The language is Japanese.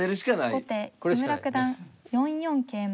後手木村九段４四桂馬。